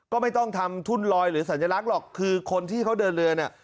ก็ไม่ต้องทำทุ่นลอยหรือสัญลักษณ์หรอกคือคนที่เขาเดินเรือเนี่ย